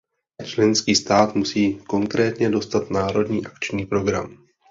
Členský stát musí konkrétně dostat národní akční program.